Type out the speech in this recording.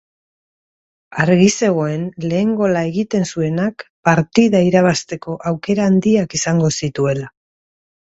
Argi zegoen lehen gola egiten zuenak partida irabazteko aukera handiak izango zituela.